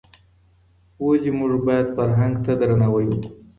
ولي موږ بايد فرهنګ ته درناوی وکړو؟